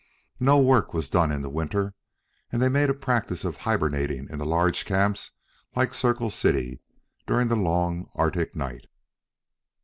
No work was done in the winter, and they made a practice of hibernating in the large camps like Circle City during the long Arctic night.